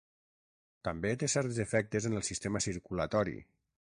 També té certs efectes en el sistema circulatori.